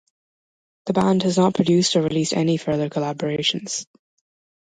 The band has not produced or released any further collaborations.